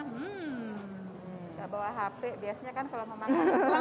kita bawa hp biasanya kan kalau mau makan